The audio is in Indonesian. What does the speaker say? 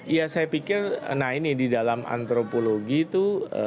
ya saya pikir nah ini di dalam antropologi itu